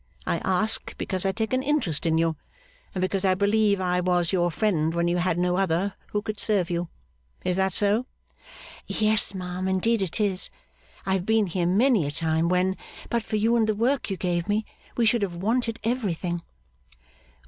I ask, because I take an interest in you; and because I believe I was your friend when you had no other who could serve you. Is that so?' 'Yes, ma'am; indeed it is. I have been here many a time when, but for you and the work you gave me, we should have wanted everything.